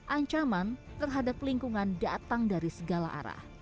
ancaman terhadap lingkungan datang dari segala arah